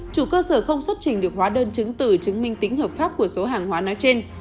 chủ cơ sở không xuất trình được hóa đơn chứng tử chứng minh tính hợp pháp của số hàng hóa nói trên